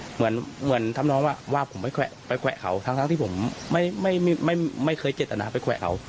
เหมือนทำน้องว่าผมไปแวะเขาทั้งที่ผมไม่เคยเจตนาไปแขวะเขา